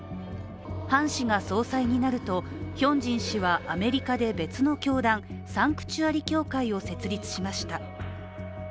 ハン氏が総裁になると、ヒョンジン氏はアメリカで別の教団サンクチュアリ教会を設立しました。